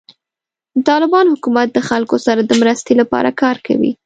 د طالبانو حکومت د خلکو سره د مرستې لپاره کار کوي.